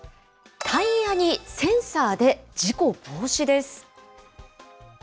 タイヤにセンサーで事故防止です。